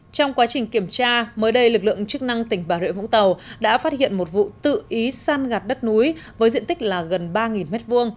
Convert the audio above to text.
trong quá trình kiểm tra mới đây lực lượng chức năng tỉnh bà rịa vũng tàu đã phát hiện một vụ tự ý săn gạt đất núi với diện tích là gần ba m hai